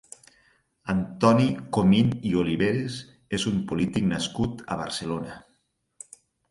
Antoni Comín i Oliveres és un polític nascut a Barcelona.